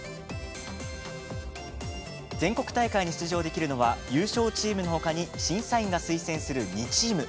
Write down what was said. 全国大会に出場できるのは優勝チームのほかに審査員が推薦する２チーム。